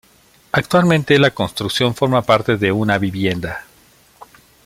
Actualmente la construcción forma parte de una vivienda.